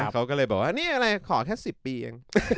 เขาก็เลยบอกว่านี่อะไรขอแค่๑๐ปีเอง